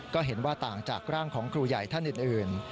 ก็เห็นว่าต่างจากร่างของครูใหญ่ท่านอื่น